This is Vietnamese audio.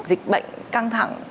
dịch bệnh căng thẳng